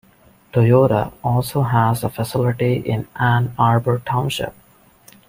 Toyota also has a facility in Ann Arbor Township.